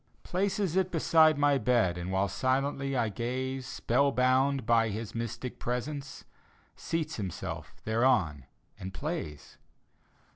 Places it beside my bed. And while silently I gaze Spell bound by his mystic presence, Seats himself thereon and plays.